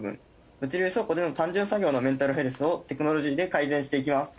物流倉庫での単純作業のメンタルヘルスをテクノロジーで改善していきます。